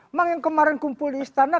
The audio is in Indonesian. emang yang kemarin kumpul di istana